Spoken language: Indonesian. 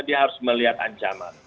dia harus melihat ancaman